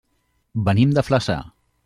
Venim de Flaçà.